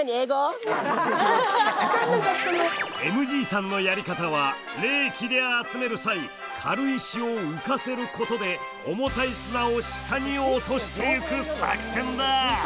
ＭＧさんのやり方はレーキで集める際軽石を浮かせることで重たい砂を下に落としてゆく作戦だ！